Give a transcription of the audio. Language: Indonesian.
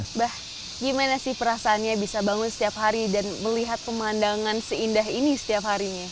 abah bagaimana perasaannya bisa bangun setiap hari dan melihat pemandangan seindah ini setiap harinya